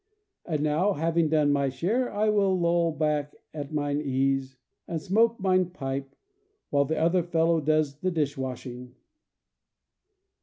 And now, having done my share, I will loll back at mine ease and smoke mine pipe, while ^* the other fellow does the dish washing!